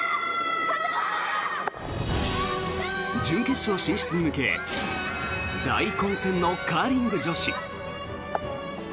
準決勝進出に向け大混戦のカーリング女子。